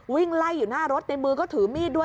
วิ่งไล่อยู่หน้ารถในมือก็ถือมีดด้วย